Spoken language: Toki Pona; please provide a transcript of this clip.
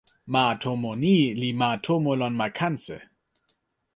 ma tomo ni li ma tomo lon ma Kanse?